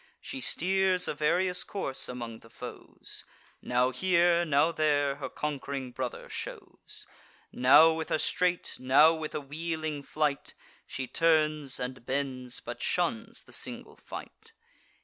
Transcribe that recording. She steers a various course among the foes; Now here, now there, her conqu'ring brother shows; Now with a straight, now with a wheeling flight, She turns, and bends, but shuns the single fight.